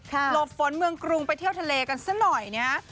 หลบฝนเมืองกรุงไปเที่ยวทะเลกันซะหน่อยนะฮะ